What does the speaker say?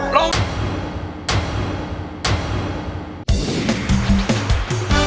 ร้อง